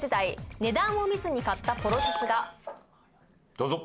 どうぞ。